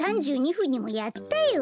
ふんにもやったよ。